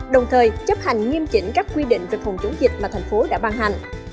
đồng thời chấp hành nghiêm chỉnh các quy định về phòng chống dịch mà thành phố đã ban hành